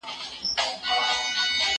هغه وويل چي مينه ښکاره کول ضروري دي؟!